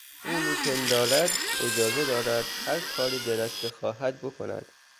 او میپندارد که اجازه دارد هرکاری دلش بخواهد بکند.